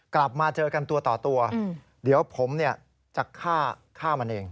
กลับมาเจอกันตัวต่อตัวเดี๋ยวผมจะฆ่ามันเอง